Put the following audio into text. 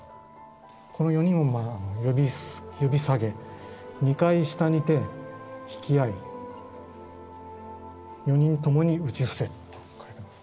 この四人を呼び下げ二階下にて引き合い四人共に打ち伏せ」と書いてます。